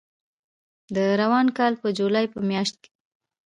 د روان کال په جولای په میاشت کې